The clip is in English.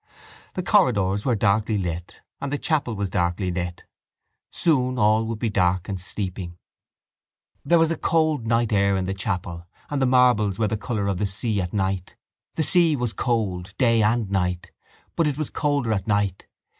The corridors were darkly lit and the chapel was darkly lit. Soon all would be dark and sleeping. There was cold night air in the chapel and the marbles were the colour the sea was at night. The sea was cold day and night: but it was colder at night.